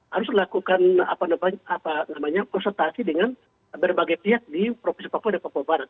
harus lakukan konsultasi dengan berbagai pihak di provinsi papua dan papua barat